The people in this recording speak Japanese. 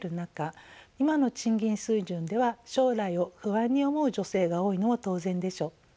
今の賃金水準では将来を不安に思う女性が多いのも当然でしょう。